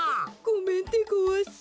ごめんでごわす。